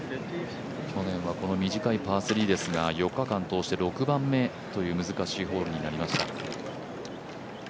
去年はこの短いパー３ですが４日間通して６番目という難しいホールになりました。